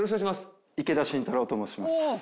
池田信太郎と申します。